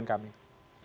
sampai jumpa lagi